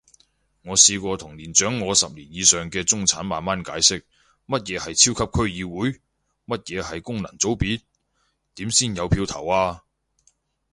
我試過同年長我十年以上嘅中產慢慢解釋，乜嘢係超級區議會？乜嘢係功能組別？點先有票投啊？